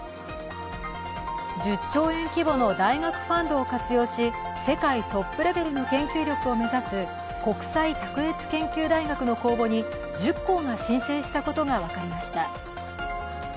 １０兆円規模の大学ファンドを活用し世界トップレベルの研究力を目指す国際卓越研究大学の公募に１０校が申請したことが分かりました。